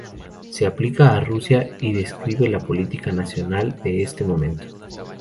Se aplica a Rusia y describe la política nacional de ese momento.